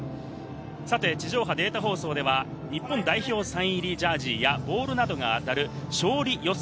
地上波データ放送では日本代表サイン入りジャージーやボールなどが当たる勝利予想